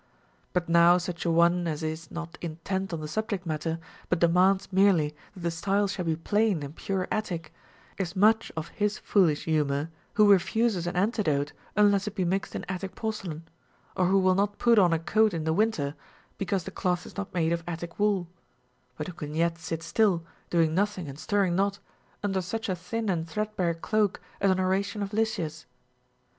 But now such a one as is not intent on the subject matter, but demands merely that the style shall be plain and pure Attic, is tiuich of his foolish humor who refuses an antidote unless it be mixed in Attic porcelain, or who Λνϋΐ not put on a coat in the winter because the cloth is not made of Attic wool ; but who can yet sit still, doing nothing and stirring not, under such a thin and threadbare cloak as an oration of Lysias.